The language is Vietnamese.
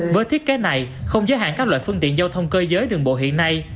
với thiết kế này không giới hạn các loại phương tiện giao thông cơ giới đường bộ hiện nay